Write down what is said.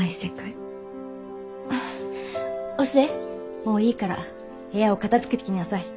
もういいから部屋を片づけてきなさい。